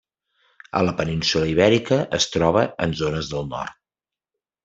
A la península Ibèrica es troba en zones del nord.